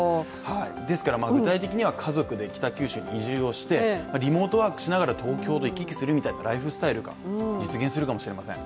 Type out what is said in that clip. ですから具体的には家族で北九州に移住をして、リモートワークしながら東京と行き来するみたいなライフスタイルが実現するかもしれません。